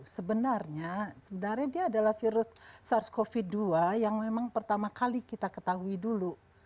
sebenarnya sebenarnya dia adalah virus sars cov dua yang memang pertama kali kita ketahui dulu